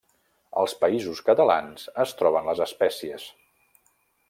Als Països Catalans es troben les espècies.